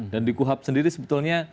dan di kuhab sendiri sebetulnya